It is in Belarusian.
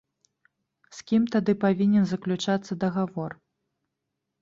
З кім тады павінен заключацца дагавор?